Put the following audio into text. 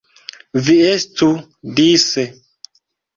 Vi estu dise.